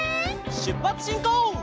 しゅっぱつしんこう！